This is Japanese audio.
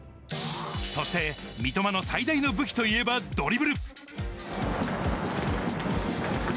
そして三笘の最大の武器といえばドリブル。